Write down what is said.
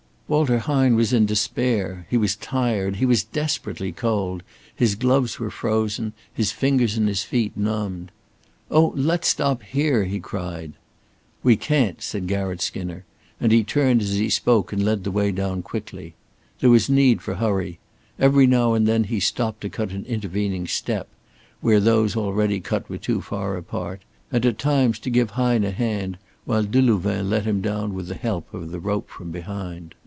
Walter Hine was in despair. He was tired, he was desperately cold, his gloves were frozen, his fingers and his feet benumbed. "Oh, let's stop here!" he cried. "We can't," said Garratt Skinner, and he turned as he spoke and led the way down quickly. There was need for hurry. Every now and then he stopped to cut an intervening step, where those already cut were too far apart, and at times to give Hine a hand while Delouvain let him down with the help of the rope from behind.